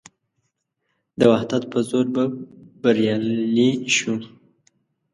د وحدت په زور به بریالي شو.